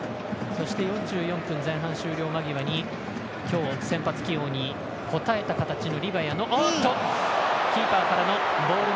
そして、４４分、前半終了間際に今日先発起用に応えた形のリバヤ。